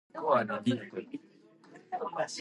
わかったよ